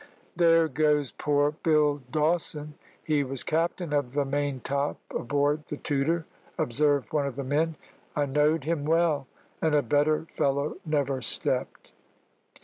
"There goes poor Bill Dawson. He was captain of the main top aboard the Tudor," observed one of the men. "I knowed him well, and a better fellow never stepped!"